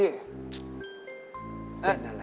เอ๊ะอะไร